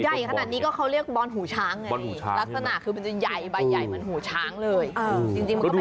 ใหญ่ขนาดนี้เค้าเรี๊กบ่อนหูช้างอย่างนั้นลักษณะคือมันจะใหญ่อย่างหูช้างเลย